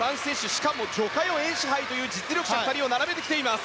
しかもジョ・カヨ、エン・シハイという実力者２人を並べています。